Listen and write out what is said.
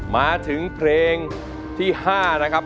มาถึงเพลงที่๕นะครับ